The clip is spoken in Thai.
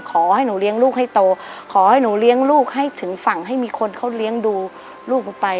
ขอให้หนูเลี้ยงลูกให้โตขอให้หนูเลี้ยงลูกให้ถึงฝั่งให้มีคนเขาเลี้ยงดูลูกหนูไป